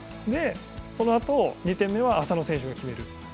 そのあと２点目は浅野選手が決める